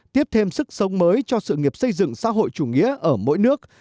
tiếp thêm sức sống mới cho sự nghiệp xây dựng xã hội chủ nghĩa ở mỗi nước